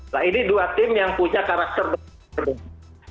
nah ini dua tim yang punya karakter